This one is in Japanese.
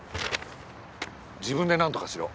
自分でなんとかしろ。